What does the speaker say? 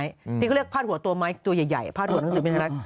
ที่เขาเรียกพาดหัวตัวไม้ตัวใหญ่พาดหัวหนังสือพิมพ์ไทยรัฐ